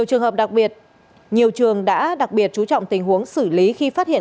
trường hợp đặc biệt nhiều trường đã đặc biệt chú trọng tình huống xử lý khi phát hiện